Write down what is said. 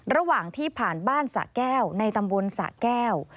ระหว่างที่ผ่านบ้านสะแก้วในตำบลสะแก้ว